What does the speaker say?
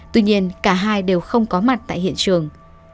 tuy nhiên cả hai đều không có mặt tại hiện trường